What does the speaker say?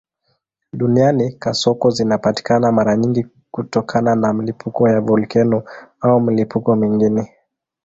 Duniani kasoko zinapatikana mara nyingi kutokana na milipuko ya volkeno au milipuko mingine.